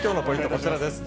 こちらです。